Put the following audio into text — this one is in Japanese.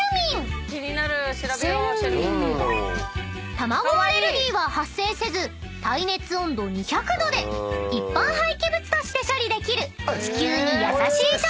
［卵アレルギーは発生せず耐熱温度２００℃で一般廃棄物として処理できる地球に優しい食器なんです］